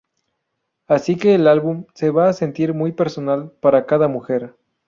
Así que el álbum se va a sentir muy personal para cada mujer".